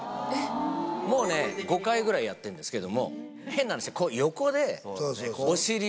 もうね５回ぐらいやってんですけども変な話こう横で。